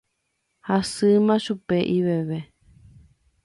Hasýma chupe iveve.